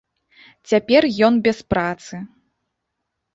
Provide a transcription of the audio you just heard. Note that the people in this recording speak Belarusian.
Цяпер ён без працы.